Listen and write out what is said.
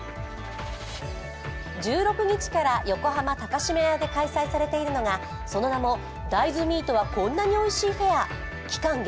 １６日から横浜高島屋で開催されているのがその名も、「大豆ミートはこんなにおいしいフェア」期間